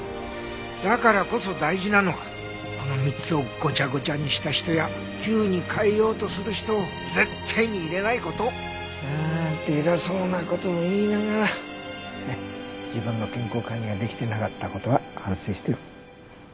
だからこそ大事なのはこの３つをごちゃごちゃにした人や急に変えようとする人を絶対に入れない事。なんて偉そうな事を言いながら自分の健康管理が出来てなかった事は反省してる。